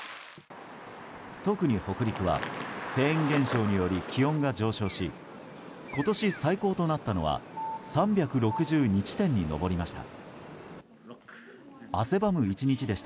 特に北陸はフェーン現象により気温が上昇し今年最高となったのは３６２地点に上りました。